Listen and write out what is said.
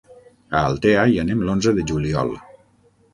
A Altea hi anem l'onze de juliol.